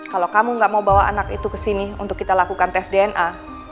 kalau kamu gak mau bawa anak itu ke sini untuk kita lakukan tes dna